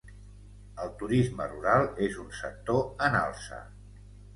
El turisme rural és un sector en alça.